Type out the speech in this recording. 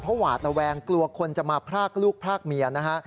เพราะหวาดระแวงกลัวคนจะมาพรากลูกพรากเมียนะฮะ